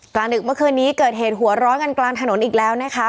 ดึกเมื่อคืนนี้เกิดเหตุหัวร้อนกันกลางถนนอีกแล้วนะคะ